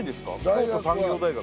京都産業大学。